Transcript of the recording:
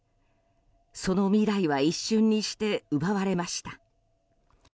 その未来は一瞬にして奪われました。